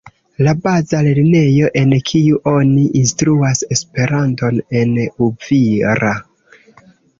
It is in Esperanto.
La baza lernejo en kiu oni instruas Esperanton en Uvira.